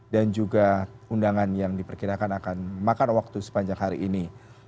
dan juga undangan yang diperkirakan akan makan waktu sepanjang hari ini